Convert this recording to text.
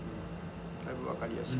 だいぶ分かりやすい。